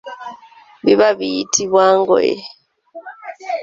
Biba biyitibwa ngoye.